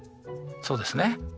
そうですね。